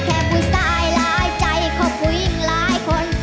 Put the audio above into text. ก็แค่ปูยสายร้ายใจขอบคุยอีกหลายคน